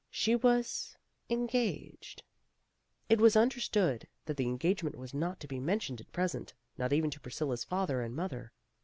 She was engaged. It was un PRISCILLA HAS A SECRET 93 derstood that the engagement was not to be mentioned at present, not even to Priscilla's father and mother.